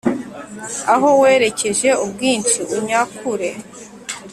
aho werekeje ubwinshi unyakure.